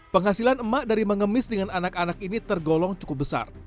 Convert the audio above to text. penghasilan emak dari mengemis dengan anak anak ini tergolong cukup besar